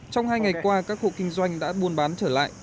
trong hai ngày qua các hộ kinh doanh đã buôn bán trở lại